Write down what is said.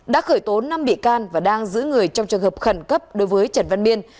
đã khởi tố năm bị can và đang giữ người trong trường hợp khẩn cấp đối với trần văn biên